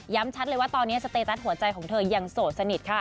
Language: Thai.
ชัดเลยว่าตอนนี้สเตตัสหัวใจของเธอยังโสดสนิทค่ะ